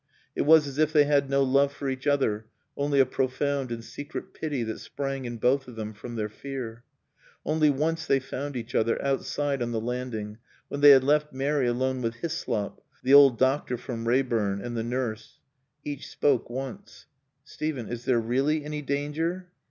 It was as if they had no love for each other, only a profound and secret pity that sprang in both of them from their fear. Only once they found each other, outside on the landing, when they had left Mary alone with Hyslop, the old doctor from Reyburn, and the nurse. Each spoke once. "Steven, is there really any danger?"